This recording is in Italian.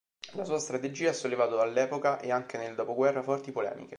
La sua strategia ha sollevato all'epoca e anche nel dopoguerra forti polemiche.